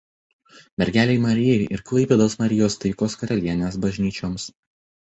Mergelei Marijai ir Klaipėdos Marijos Taikos Karalienės bažnyčioms.